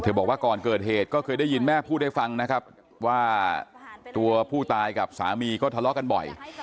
บอกว่าก่อนเกิดเหตุก็เคยได้ยินแม่พูดให้ฟังนะครับว่าตัวผู้ตายกับสามีก็ทะเลาะกันบ่อย